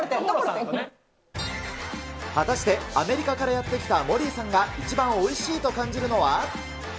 果たしてアメリカからやって来たモリーさんが一番おいしいと感じるのは？